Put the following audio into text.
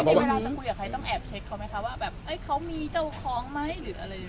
มีเวลาจะคุยกับใครต้องแอบเช็คเขาไหมคะว่าแบบเขามีเจ้าของไหมหรืออะไรอย่างนี้